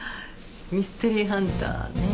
ミステリーハンターね。